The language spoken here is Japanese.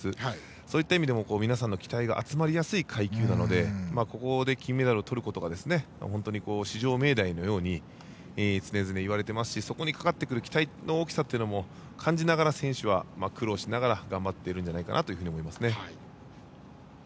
そういった意味でも皆さんの期待が集まりやすい階級なのでここで金メダルをとることが至上命題のように常々言われていますしそこにかかってくる期待の大きさも感じながら、選手は苦労しながら頑張っているんじゃないかと。